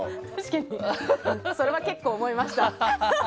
それは結構思いました。